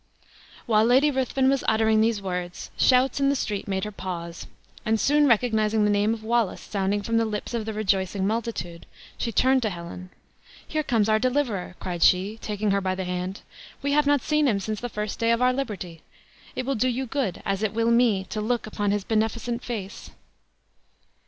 While Lady Ruthven was uttering these words, shouts in the street made her pause; and soon recognizing the name of Wallace sounding from the lips of the rejoicing multitude, she turned to Helen: "Here comes our deliverer!" cried she, taking her by the hand; "we have not seen him since the first day of our liberty. It will do you good, as it will me, to look on his beneficent face!"